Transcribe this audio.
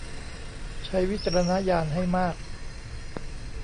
ใช้วิจารณญาณให้มาก